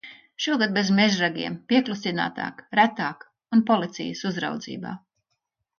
Šogad bez mežragiem, pieklusinātāk, retāk un policijas uzraudzībā.